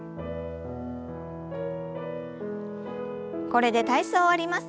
これで体操を終わります。